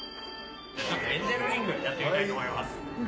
エンジェルリングやってみたいと思います。